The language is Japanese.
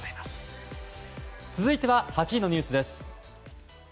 続いては８位のニュースです。